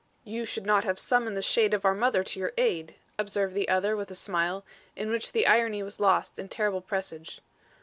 "You should not have summoned the shade of our mother to your aid," observed the other with a smile, in which the irony was lost in terrible presage.